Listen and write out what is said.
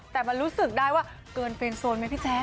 แต่มันรู้สึกได้ว่าเกินเฟรนโซนไหมพี่แจ๊